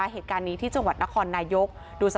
เหตุการณ์นี้ที่จังหวัดนครนายกดูสิ